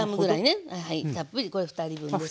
たっぷりこれ２人分ですけど。